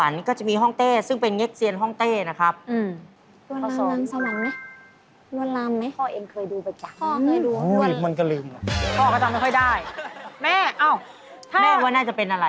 ข้อหนึ่งเนี่ยอาจจะ